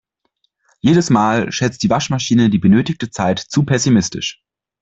Jedes Mal schätzt die Waschmaschine die benötigte Zeit zu pessimistisch.